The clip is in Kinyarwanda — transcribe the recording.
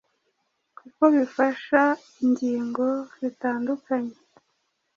kuko bifasha ingingo zitandukanye